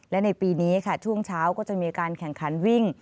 และในปีนี้ค่ะช่วงเช้าก็จะมีการแข่งขันวิ่ง